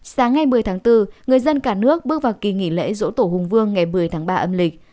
sáng ngày một mươi tháng bốn người dân cả nước bước vào kỳ nghỉ lễ dỗ tổ hùng vương ngày một mươi tháng ba âm lịch